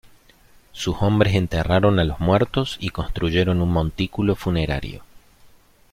Sus hombres enterraron a los muertos y construyeron un montículo funerario.